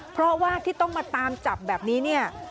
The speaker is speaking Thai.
เพราะว่าที่ต้องมาตามจับแบบนี้เนี่ย